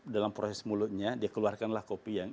dalam proses mulutnya dia keluarkanlah kopi yang